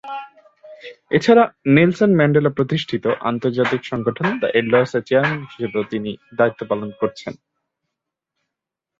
এছাড়া Nelson Mandela প্রতিষ্ঠিত আন্তর্জাতিক সংগঠন দা এল্ডারস-এর চেয়ারম্যান হিসেবেও তিনি দায়িত্ব পালন করেছেন।